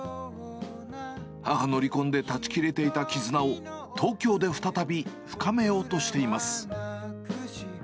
母の離婚で断ち切れていた絆を、東京で再び深めようとしています。